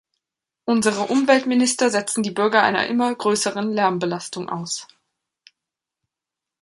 Unsere Umweltminister setzen die Bürger einer immer größeren Lärmbelastung aus.